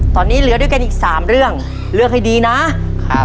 ตอนนี้เหลือด้วยกันอีกสามเรื่องเลือกให้ดีนะครับ